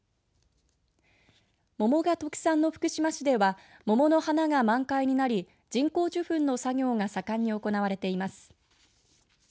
桃が特産の福島市では桃の花が満開になり人工受粉の作業が盛んに行われています。